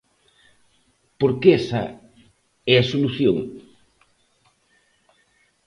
Porque esa é a solución.